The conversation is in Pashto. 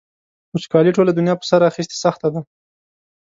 وچکالۍ ټوله دنیا په سر اخیستې سخته ده.